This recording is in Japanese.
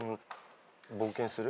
冒険する？